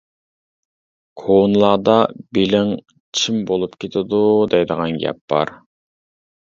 كونىلاردا بېلىڭ چىم بولۇپ كېتىدۇ دەيدىغان گەپ بار.